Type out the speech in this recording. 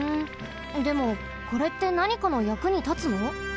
でもこれってなにかのやくにたつの？